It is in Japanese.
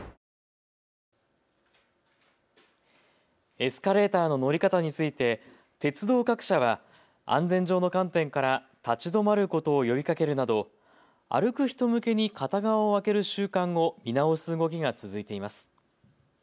エスカレーターの乗り方について鉄道各社は安全上の観点から立ち止まることを呼びかけるなど歩く人向けに片側を空ける習慣を見直す動きが続いています。